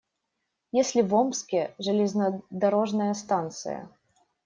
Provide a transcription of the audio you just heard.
Есть ли в Омске железнодорожная станция?